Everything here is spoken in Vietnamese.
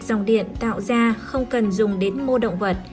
dòng điện tạo ra không cần dùng đến mua động vật